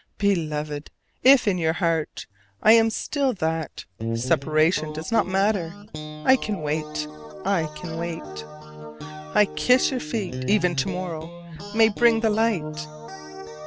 Beloved, if in your heart I am still that, separation does not matter. I can wait, I can wait. I kiss your feet: even to morrow may bring the light.